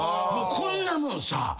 こんなもんさ